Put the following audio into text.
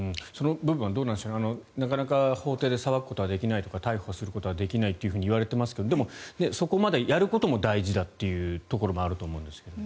その部分はどうなんでしょうなかなか法廷で裁くことはできないとか逮捕することはできないとかいわれていますがでも、そこまでやることも大事だというところもあると思いますが。